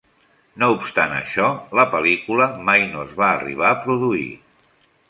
No obstant això, la pel·lícula mai no es va arribar a produir.